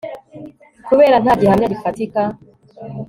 kubera nta gihamya gifatika